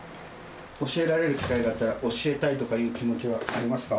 教えられる機会があったら、教えたいとかいう気持ちはありますか？